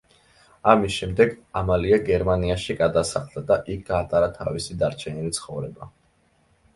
ამის შემდეგ ამალია გერმანიაში გადასახლდა და იქ გაატარა თავისი დარჩენილი ცხოვრება.